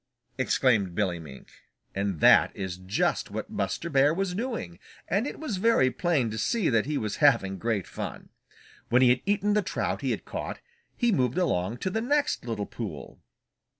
exclaimed Billy Mink. And that is just what Buster Bear was doing, and it was very plain to see that he was having great fun. When he had eaten the trout he had caught, he moved along to the next little pool.